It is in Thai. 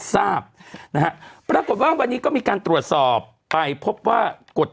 ทราบนะฮะปรากฏว่าวันนี้ก็มีการตรวจสอบไปพบว่ากฎ